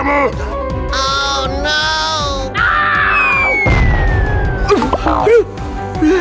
tidak mau did mijn